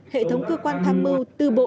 hệ thống cơ quan tham mưu từ bộ